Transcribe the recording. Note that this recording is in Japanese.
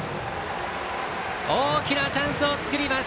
大きなチャンスを作ります